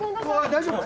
大丈夫か！